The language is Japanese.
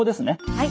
はい。